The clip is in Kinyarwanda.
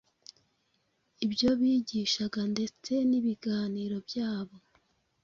ibyo bigishaga ndetse n’ibiganiro byabo.